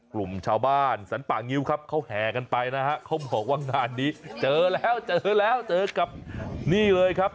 กลุ่มชาวบ้านสรรป่างิ้วครับเขาแห่กันไปนะฮะเขาบอกว่างานนี้เจอแล้วเจอแล้วเจอกับนี่เลยครับ